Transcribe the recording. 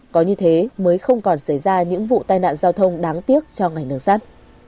có như thế mới không còn xảy ra những vụ tai nạn giao thông đáng tiếc cho ngành đường sắt